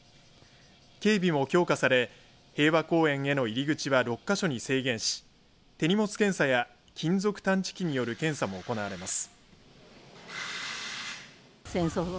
警備も強化され平和公園への入り口は６か所に制限し手荷物検査や金属探知機による検査も行われます。